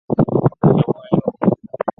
刘冠佑。